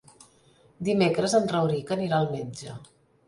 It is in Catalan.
Dimecres en Rauric anirà al metge.